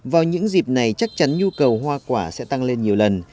vào những dịp này chắc chắn nhu cầu hoa quả sẽ tăng lên nhiều lần